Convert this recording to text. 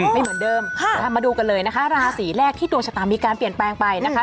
ไม่เหมือนเดิมมาดูกันเลยนะคะราศีแรกที่ดวงชะตามีการเปลี่ยนแปลงไปนะคะ